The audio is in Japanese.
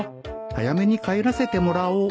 早めに帰らせてもらおう